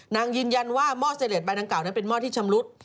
นางยืนยันว่าหม้อเซเรนเระทใบดังกล่าวมอบที่ชำรุด